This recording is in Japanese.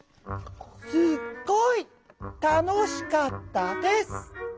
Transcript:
「すっごいたのしかったです」。